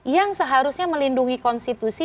yang seharusnya melindungi konstitusi